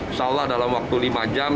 insya allah dalam waktu lima jam